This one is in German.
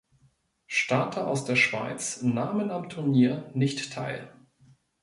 Starter aus der Schweiz nahmen am Turnier nicht teil.